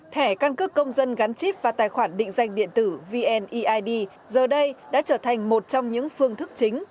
thẻ căn cước công dân gắn chip và tài khoản định danh điện tử vneid giờ đây đã trở thành một trong những phương thức chính